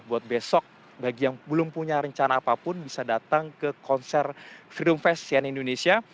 buat besok bagi yang belum punya rencana apapun bisa datang ke konser freedom fest sian indonesia